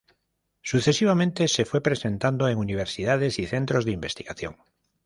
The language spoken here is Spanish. Sucesivamente se fue presentando en universidades y centros de investigación.